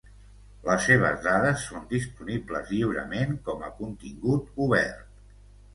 Les seves dades són disponibles lliurement com a contingut obert.